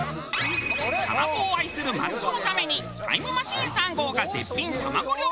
卵を愛するマツコのためにタイムマシーン３号が絶品卵料理を大調査！